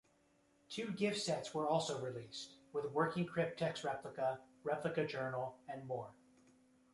Two gift sets were also released, with working cryptex replica, replica journal, and more.